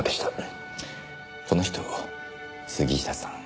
この人杉下さん。